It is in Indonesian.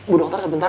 bu dokter sebentar